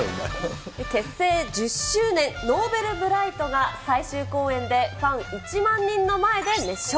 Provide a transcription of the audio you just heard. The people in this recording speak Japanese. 結成１０周年、Ｎｏｖｅｌｂｒｉｇｈｔが最終公演でファン１万人の前で熱唱。